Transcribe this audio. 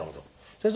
先生。